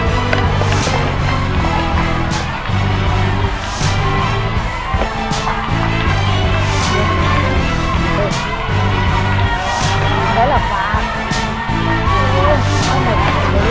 นั่นแหละครับ